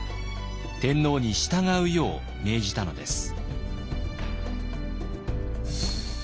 天皇に従うよう命じたのです。